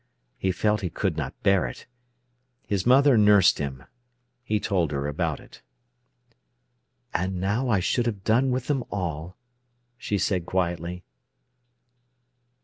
He felt he could not bear it. His mother nursed him; he told her about it. "And now I should have done with them all," she said quietly.